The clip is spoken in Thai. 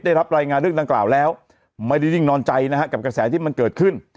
ได้รับรายงานเรื่องดังกล่าวแล้วไม่ได้นิ่งนอนใจนะฮะกับกระแสที่มันเกิดขึ้น